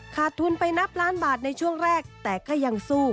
ขาดทุนไปนับล้านบาทในช่วงแรกแต่ก็ยังสู้